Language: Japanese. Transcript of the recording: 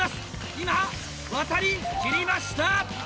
今渡り切りました！